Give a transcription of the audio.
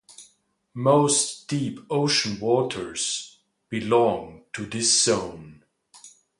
Most deep ocean waters belong to this zone.